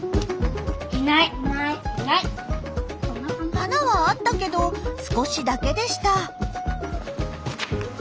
花はあったけど少しだけでした。